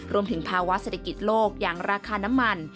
รวมถึงภาวะเศรษฐกิจโลกอย่างราคาน้ำมัน